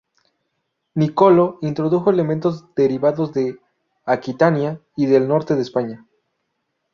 Niccolò introdujo elementos derivados de Aquitania y del norte de España.